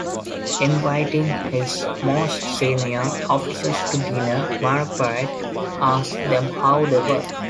Inviting his most senior officers to dinner, Bonaparte asked them how they were.